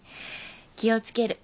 気を付ける。